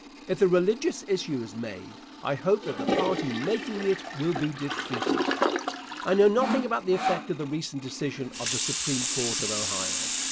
If the religious issue is made, I hope that the party making it will be defeated. I know nothing about the effect of the recent decision of the Supreme Court of Ohio.